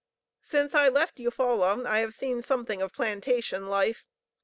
Since I left Eufaula I have seen something of plantation life.